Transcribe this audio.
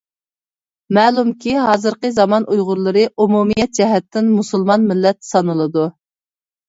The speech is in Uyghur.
مەلۇمكى ھازىرقى زامان ئۇيغۇرلىرى ئومۇمىيەت جەھەتتىن مۇسۇلمان مىللەت سانىلىدۇ.